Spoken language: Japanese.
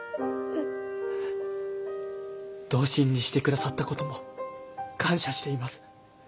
同心にしてくださったことも感謝しています。